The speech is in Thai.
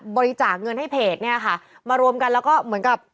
บริจาคเงินให้เพจเนี่ยค่ะมารวมกันแล้วก็เหมือนกับ